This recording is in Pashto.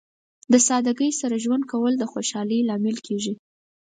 د سادګۍ سره ژوند کول د خوشحالۍ لامل کیږي.